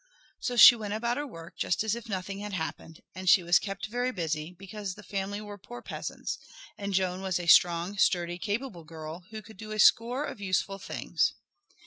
So she went about her work just as if nothing had happened, and she was kept very busy, because the family were poor peasants, and Joan was a strong, sturdy, capable girl who could do a score of useful things.